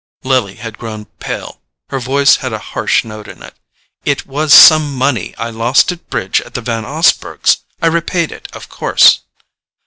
Lily had grown pale: her voice had a harsh note in it. "It was some money I lost at bridge at the Van Osburghs'. I repaid it, of course."